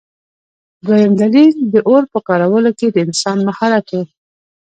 دویم دلیل د اور په کارولو کې د انسان مهارت و.